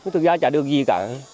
thực ra chả được gì cả